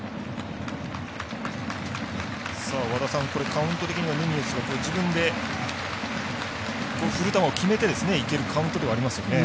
カウント的にはヌニエスが自分で振る球を決めていけるカウントではありますね。